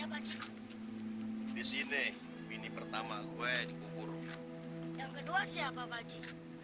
dan di sini ini pertama gue dikubur yang kedua siapa baji